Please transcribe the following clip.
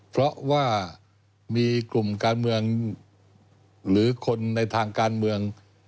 เพราะว่ามีกลุ่มการเมืองหรือคนในทางการเมือง